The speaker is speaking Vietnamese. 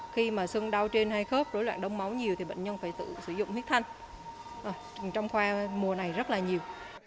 khi mà sưng đau trên hai khớp rối loạn đông máu nhiều thì bệnh nhân phải tự sử dụng huyết thanh trong khoa mùa này rất là nhiều